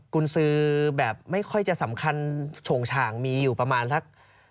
คุณซื้อแบบไม่ค่อยจะสำคัญโฉงฉ่างมีอยู่ประมาณสัก